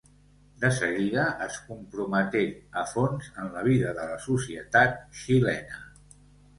De seguida es comprometé a fons en la vida de la societat xilena.